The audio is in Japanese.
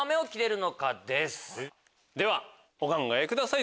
ではお考えください